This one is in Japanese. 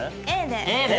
Ａで。